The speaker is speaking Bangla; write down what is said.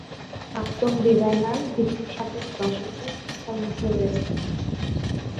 প্রাক্তন ডিজাইনার, ভিক্টর ষাটের দশকে হতাশার মধ্যে রয়েছেন।